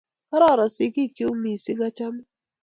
Kororon sigikyuk missing',achame